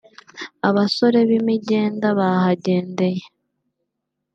abasore b’imigenda bahagendeye